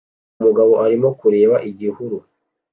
Umugabo arimo kureba igihuru